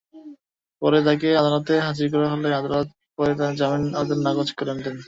পরে তাঁকে আদালতে হাজির করা হলে আদালত তাঁর জামিন আবেদন নাকচ করেন।